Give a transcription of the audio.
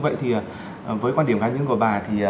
vậy thì với quan điểm khác nhau của bà